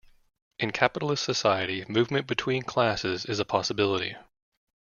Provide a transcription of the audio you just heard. In capitalist society movement between classes is a possibility.